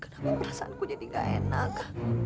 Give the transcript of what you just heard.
kenapa perasaanku jadi gak enak